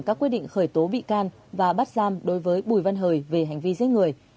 các quyết định khởi tố bị can và bắt giam đối với bùi văn hời về hành vi giết người